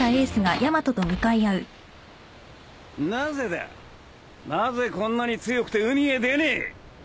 なぜこんなに強くて海へ出ねえ？